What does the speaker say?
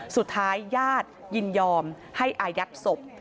สุดท้ายญาติยินยอมให้อายัดศพ